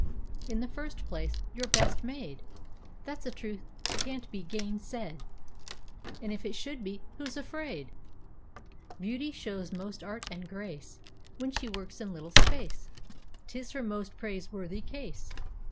In the first place, you're best made; That's a truth can't be gainsaid, And if it should be, who's afraid? Beauty shows most art and graceWhen she works in little space:'Tis her most praiseworthy case.